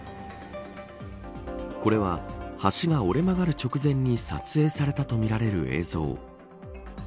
これは橋が折れ曲がる直前に撮影されたとみられる映像。